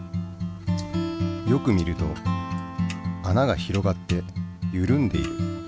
よく見るとあなが広がってゆるんでいる。